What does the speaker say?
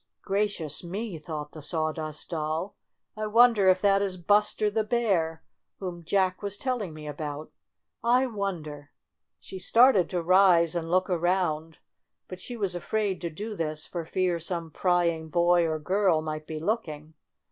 "Gracious me!" thought the Sawdust Doll, "I wonder if that is Buster the Bear whom J ack was telling me about. I won der !" She started to rise and look around, but she was afraid to do this for fear some pry ing boy or girl might be looking.